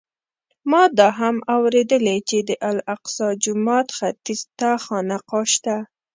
ما دا هم اورېدلي چې د الاقصی جومات ختیځ ته خانقاه شته.